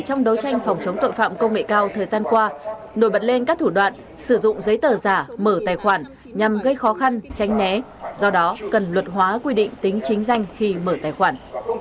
trong đấu tranh phòng chống tội phạm công nghệ cao thời gian qua nổi bật lên các thủ đoạn sử dụng giấy tờ giả mở tài khoản nhằm gây khó khăn tránh né do đó cần luật hóa quy định tính chính danh khi mở tài khoản